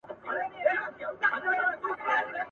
هغه کوهی دی جهاني هغه د وروڼو جفا ..